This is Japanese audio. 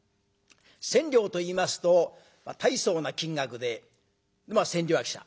千両といいますと大層な金額でまあ千両役者。